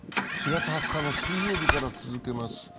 ４月２０日の水曜日から続けます。